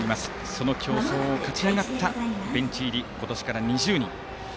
その競争を勝ち上がったベンチ入り、今年から２０人。